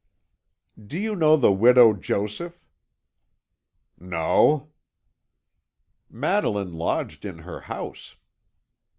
"Do you know the Widow Joseph?" "No." "Madeline lodged in her house."